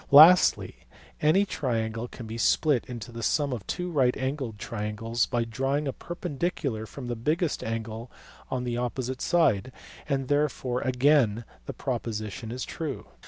Lastly any triangle can be split into the sum of two right angled triangles by drawing a perpendicular from the biggest angle on the opposite side, and therefore again the proposition is true.